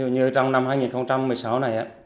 như trong năm hai nghìn một mươi sáu này